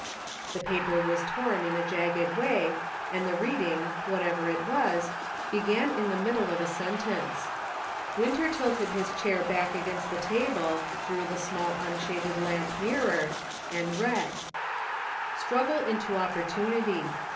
ENERGY AND FORCE. II5 The paper was torn in a jagged way, and the reading, whatever it was, began in the middle of a sentence. Winter tilted his chair back against the table, drew the small unshaded lamp nearer, and read :" Struggle into opportunity.